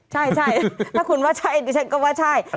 ถ้าคุณว่าใช่ฉันก็ว่าใช่